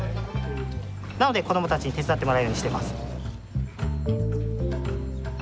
なので子供たちに手伝ってもらうようにしてます。